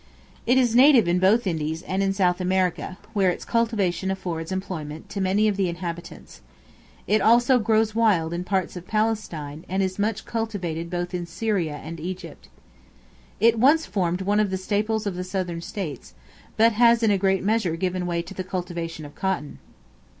It is native in both Indies, and in South America, where its cultivation affords employment to many of the inhabitants. It also grows wild in parts of Palestine, and is much cultivated both in Syria and Egypt. It once formed one of the staples of the Southern States, but has in a great measure given way to the cultivation of cotton.